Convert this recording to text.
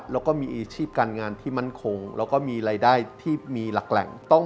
แล้วก็มีอาชีพการงานที่มั่นคงแล้วก็มีรายได้ที่มีหลักแหล่ง